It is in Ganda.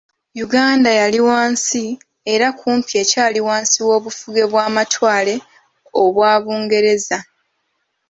Yuganda yali wansi era kumpi ekyali wansi w'obufuge bw'amatwale obwa Bungereza.